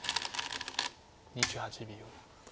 ２８秒。